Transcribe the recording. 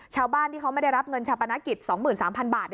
ชาวบ้านที่เขาไม่ได้รับเงินชาปนกิจ๒๓๐๐บาท